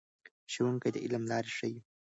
ښوونکي د علم لارې ښیي.